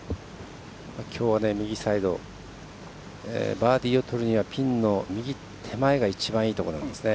きょうは右サイドバーディーをとるにはピンの右手前が一番いいところですね。